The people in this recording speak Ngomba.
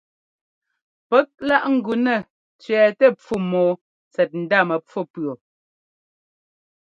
Pɛ́k láꞌ ŋ́gʉ nɛ́ tsẅɛ́ɛtɛ pfú mɔ́ɔ tsɛt ndá mɛpfú pʉɔ.